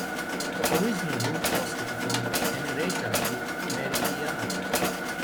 The original route was to be from Henrietta to Meridian.